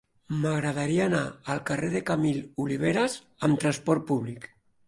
M'agradaria anar al carrer de Camil Oliveras amb trasport públic.